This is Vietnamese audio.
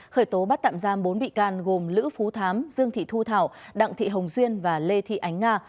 khởi tố bắt tạm giam bốn bị can gồm lữ phú thám dương thị thu thảo đặng thị hồng duyên và lê thị ánh nga